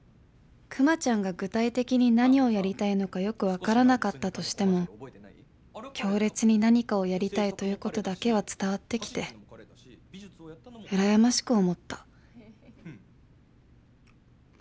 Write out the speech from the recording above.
「くまちゃんが具体的に何をやりたいのかよくわからなかったとしても、強烈に何かをやりたいということだけは伝わってきて、うらやましく思った」。